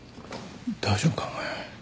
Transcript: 大丈夫かお前。